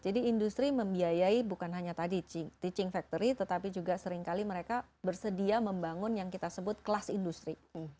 jadi mereka juga membiayai bukan hanya tadi teaching factory tetapi juga seringkali mereka bersedia membangun yang kita sebut kelas industri